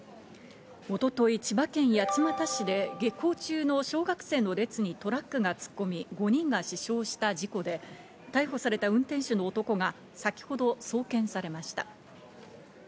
一昨日、千葉県八街市で下校中の小学生の列にトラックが突っ込み５人が死傷した事故で、逮捕された運転手の男が先ほど送検されました。